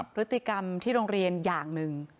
พฤติกรรมที่โรงเรียนอย่างหนึ่ง